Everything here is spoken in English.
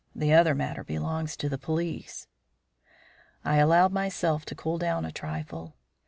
The other matter belongs to the police." I allowed myself to cool down a trifle.